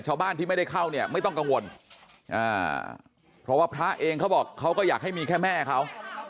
ชาวบ้านที่ไม่ได้เข้าเนี่ยไม่ต้องกังวลเพราะว่าพระเองเขาบอกเขาก็อยากให้มีแค่แม่เขา